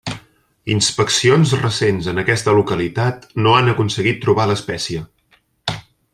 Inspeccions recents en aquesta localitat no han aconseguit trobar l'espècie.